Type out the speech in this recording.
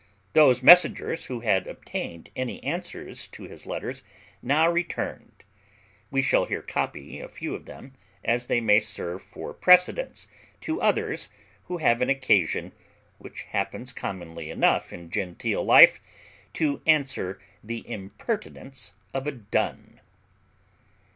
Those messengers who had obtained any answers to his letters now returned. We shall here copy a few of them, as they may serve for precedents to others who have an occasion, which happens commonly enough in genteel life, to answer the impertinence of a dun.